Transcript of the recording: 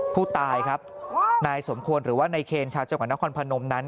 ผู้ตายครับนายสมควรหรือว่านายเคนชาวจังหวัดนครพนมนั้น